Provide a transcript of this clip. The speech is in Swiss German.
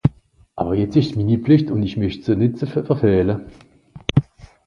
Àwwer jetzt ìsch's mini Pflìcht ùn mächt's nìtt verfähle.